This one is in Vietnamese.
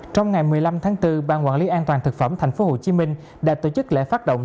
trong ngày một mươi năm tháng bốn ban quản lý an toàn thực phẩm tp hcm đã tổ chức lễ phát động